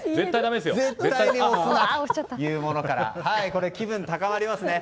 絶対に押すなというものから気分高まりますね。